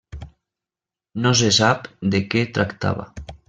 No se sap de què tractava.